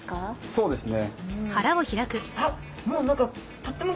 そうですね。